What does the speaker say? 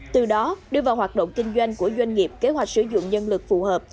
từ đó đưa vào hoạt động kinh doanh của doanh nghiệp kế hoạch sử dụng nhân lực phù hợp